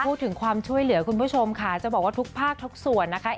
พูดถึงความช่วยเหลือคุณผู้ชมค่ะจะบอกว่าทุกภาคทุกส่วนนะคะ